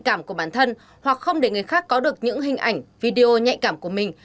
để tránh rủi ro cho bản thân hoặc không để người khác có được những hình ảnh video nhạy cảm của mình